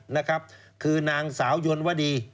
นะครับคือนางสาวยนวดี